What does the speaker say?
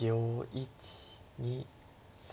１２３。